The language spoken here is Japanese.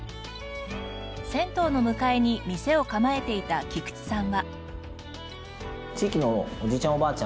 銭湯の向かいに店を構えていた菊地さんは。